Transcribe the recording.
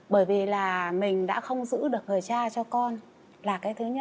bởi vì là mình đã không giữ được người cha cho con là cái thứ nhất